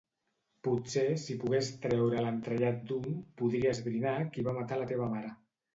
Potser si pogués treure l'entrellat d'un, podria esbrinar qui va matar la teva mare.